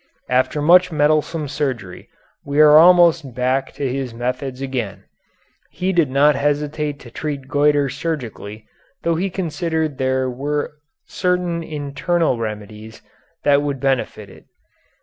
After much meddlesome surgery we are almost back to his methods again. He did not hesitate to treat goitre surgically, though he considered there were certain internal remedies that would benefit it.